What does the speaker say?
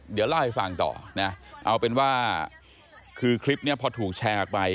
เดี๋ยวเล่าให้ฟังต่อนะเอาเป็นว่าคือคลิปนี้พอถูกแชร์ออกไป